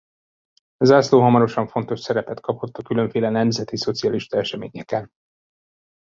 A zászló hamarosan fontos szerepet kapott a különféle nemzetiszocialista eseményeken.